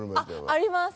あります。